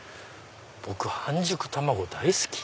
僕半熟卵大好き。